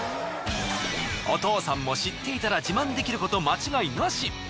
お父さんも知っていたら自慢できること間違いなし。